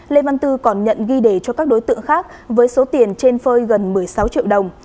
lê văn tư còn nhận ghi để cho các đối tượng khác với số tiền trên phơi gần một mươi sáu triệu đồng